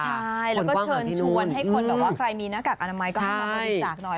ใช่แล้วก็เชิญชวนให้คนแบบว่าใครมีหน้ากากอนามัยก็เข้ามาบริจาคหน่อย